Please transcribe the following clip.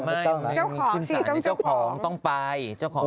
ไม่ต้องขึ้นศาลที่เจ้าของต้องไป